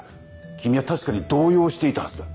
君は確かに動揺していたはずだ。